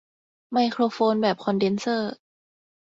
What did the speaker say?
ไมโครโฟนแบบคอนเดนเซอร์